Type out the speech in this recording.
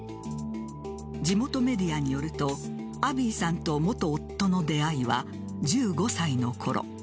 地元メディアによるとアビーさんと元夫の出会いは１５歳のころ。